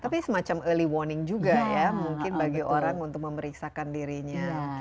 tapi semacam early warning juga ya mungkin bagi orang untuk memeriksakan dirinya